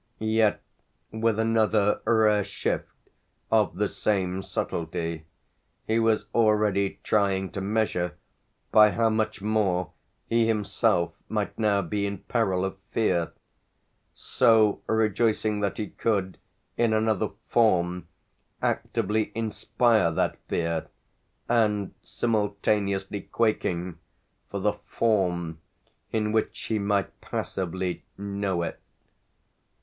Yet with another rare shift of the same subtlety he was already trying to measure by how much more he himself might now be in peril of fear; so rejoicing that he could, in another form, actively inspire that fear, and simultaneously quaking for the form in which he might passively know it.